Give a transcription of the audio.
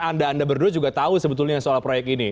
anda anda berdua juga tahu sebetulnya soal proyek ini